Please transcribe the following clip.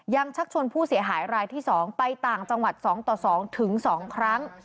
ชักชวนผู้เสียหายรายที่๒ไปต่างจังหวัด๒ต่อ๒ถึง๒๒ครั้ง